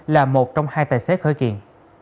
là một trong hai tài xế khởi kiện